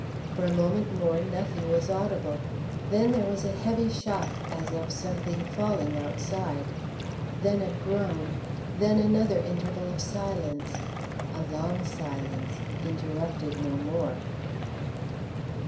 For a moment more nothing was audible. Then there was a heavy shock, as of something falling outside. Then a groan, then another interval of silence a long silence, interrupted no more.